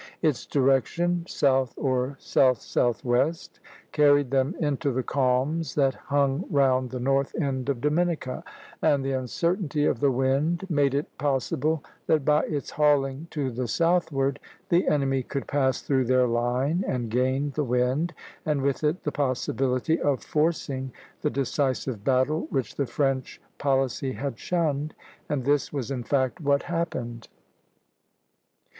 Its direction, south or south southwest, carried them into the calms that hung round the north end of Dominica; and the uncertainty of the wind made it possible that by its hauling to the southward the enemy could pass through their line and gain the wind, and with it the possibility of forcing the decisive battle which the French policy had shunned; and this was in fact what happened.